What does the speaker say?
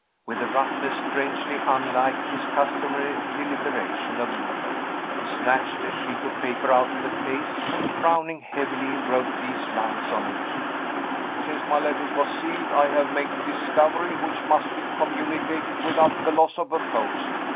With a roughness strangely unlike his customary deliberation of movement, he snatched a sheet of paper out of the case, and frowning heavily, wrote these lines on it: "Since my letter was sealed, I have made a discovery which must be communicated without the loss of a post.